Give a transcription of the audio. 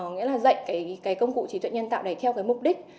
nghĩa là dạy công cụ trí tuệ nhân tạo theo mục đích